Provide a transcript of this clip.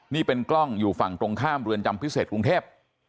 นี่เป็นกล้องอยู่ฝั่งตรงข้ามเรือนจำพิเศษกรุงเทพ